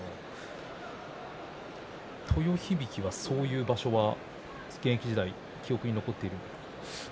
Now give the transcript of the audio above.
豊響は、そういう場所は現役時代、記憶に残っているのはありますか？